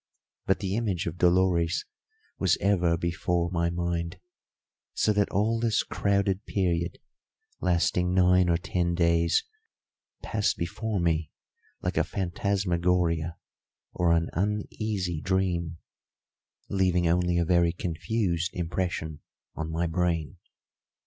But the image of Dolores was ever before my mind, so that all this crowded period, lasting nine or ten days, passed before me like a phantasmagoria, or an uneasy dream, leaving only a very confused impression on my brain.